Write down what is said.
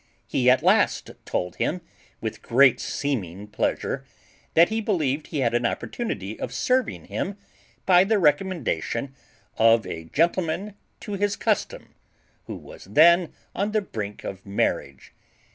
He at last told him, with great seeming pleasure, that he believed he had an opportunity of serving him by the recommendation of a gentleman to his custom, who was then on the brink of marriage.